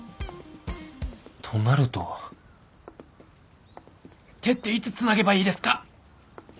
となると手っていつつなげばいいですか⁉